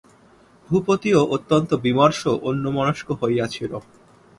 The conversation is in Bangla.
ভূপতিও অত্যন্ত বিমর্ষ অন্যমনস্ক হইয়া ছিল।